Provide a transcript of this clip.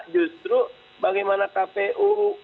justru bagaimana kpu